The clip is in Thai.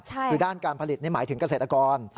คือด้านการผลิตนี่หมายถึงเกษตรกร